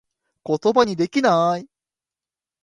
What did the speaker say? ことばにできなぁい